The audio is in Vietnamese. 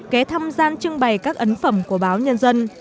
ké thăm gian trưng bày các ấn phẩm của báo nhân dân